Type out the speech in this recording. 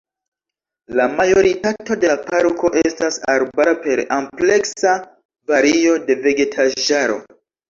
La majoritato de la parko estas arbara per ampleksa vario de vegetaĵaro.